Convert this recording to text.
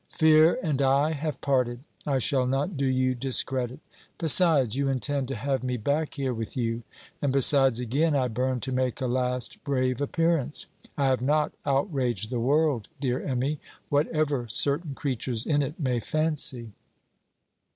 Fear and I have parted. I shall not do you discredit. Besides you intend to have me back here with you? And besides again, I burn to make a last brave appearance. I have not outraged the world, dear Emmy, whatever certain creatures in it may fancy.'